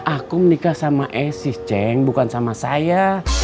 aku menikah sama esis ceng bukan sama saya